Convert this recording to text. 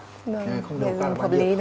đúng không dùng pháp lý đúng không ạ